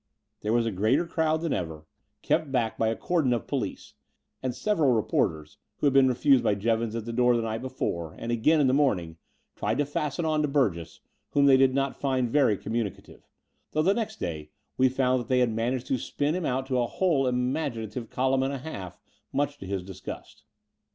There was a greater crowd than ever, kept back The Brighton Road 91 by a cordon of police; and several reporters, who had been refused by Jevons at the door the night before and again in the morning, tried to fasten on to Bnrgess,'whom they did not find very com municative, though the next day we found that they had managed to spin him out to a whole imaginative column and a half, much to his disgust.